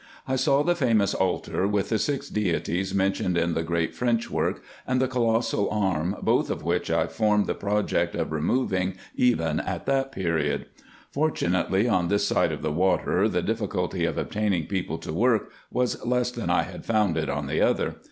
I saw the famous altar, with the six deities mentioned in the great French work, and the colossal arm, both of which I formed the pro ject of removing even at that period. Fortunately on this side of the water the difficulty of obtaining people to work was less than I had found it on the other.